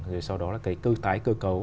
rồi sau đó là cái tái cơ cấu